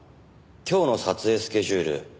今日の撮影スケジュール